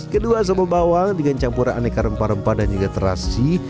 kedua sambal bawang dengan campuran aneka rempah rempah dan juga terasi